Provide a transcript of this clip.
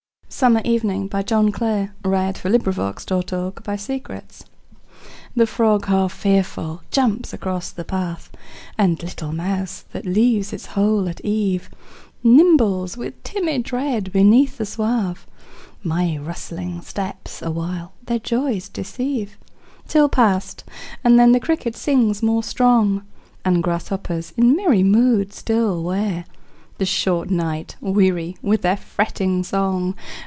er towers, In every place the very wasp of flowers. Summer Evening The frog half fearful jumps across the path, And little mouse that leaves its hole at eve Nimbles with timid dread beneath the swath; My rustling steps awhile their joys deceive, Till past, and then the cricket sings more strong, And grasshoppers in merry moods still wear The short night weary with their fretting song.